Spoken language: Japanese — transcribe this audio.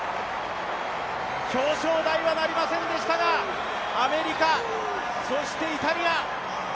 表彰台はなりませんでしたがアメリカ、そしてイタリア。